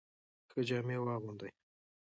ښه جامې واغوندئ.